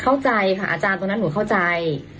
เข้าใจค่ะอาจารย์ตรงนั้นหนูเข้าใจ